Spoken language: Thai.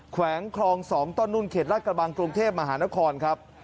แขวงคลอง๒ต้นนุ่นเขตลาดกระบังกรุงเทพมหานครครับ